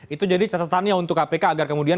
itu jadi catatannya untuk kpk agar kemudian